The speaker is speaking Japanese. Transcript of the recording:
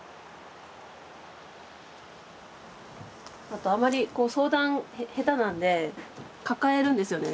あとあんまり相談下手なんで抱えるんですよね